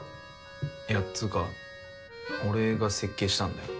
いやつうか俺が設計したんだよ